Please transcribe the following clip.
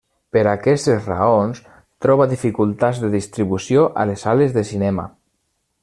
Per aquestes raons troba dificultats de distribució a les sales de cinema.